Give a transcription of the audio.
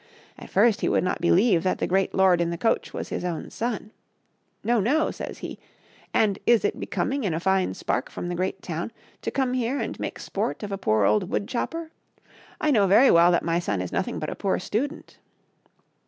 At first he would not believe that the great lord in the coach was his own son. " No, no," says he ;" and is it becoming in a fine spark from the great town to come here and make sport of a poor old wood chopper. I know very well that my son is nothing but a poor student."